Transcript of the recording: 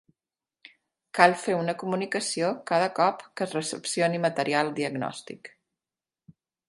Cal fer una comunicació cada cop que es recepcioni material diagnòstic.